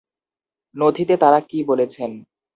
নথিতে তাঁরা কি বলেছেন?